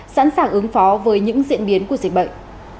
sẵn sàng ứng phó với những diễn biến của dịch bệnh